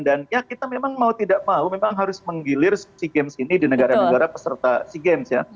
dan ya kita memang mau tidak mau memang harus menggilir si games ini di negara negara peserta si games ya